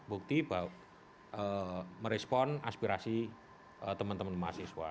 bukti bahwa merespon aspirasi teman teman mahasiswa